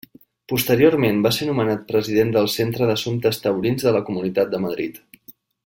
Posteriorment va ser nomenat President del Centre d'Assumptes Taurins de la Comunitat de Madrid.